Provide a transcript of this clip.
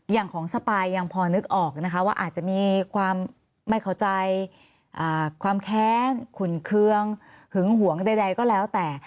อย่างของสปายยังพอนึกออกนะคะว่าอาจจะมีความไม่เข้าใจความแค้นขุนเคืองหึงหวงใดก็แล้วแต่